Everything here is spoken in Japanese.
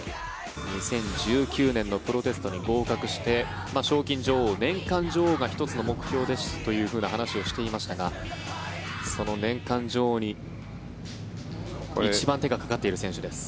２０１９年のプロテストに合格をして賞金女王、年間女王が１つの目標ですというような話をしていましたがその年間女王に一番手がかかっている選手です。